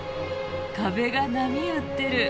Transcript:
壁が波打ってる。